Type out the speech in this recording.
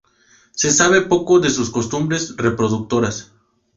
Se sabe poco de sus costumbres reproductoras.